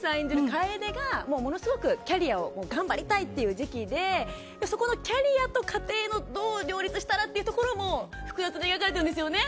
楓がものすごくキャリアを頑張りたいっていう時期でそこのキャリアと家庭をどう両立したらっていうところも複雑に描かれてるんですよね。